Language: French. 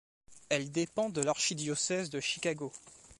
Elle dépend de l'archidiocèse de Chicago.